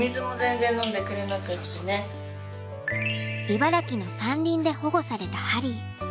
茨城の山林で保護されたハリー。